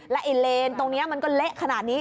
ไอ้เลนตรงนี้มันก็เละขนาดนี้